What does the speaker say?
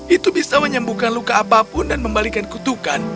itu bisa menyembuhkan luka apapun dan membalikan kutukan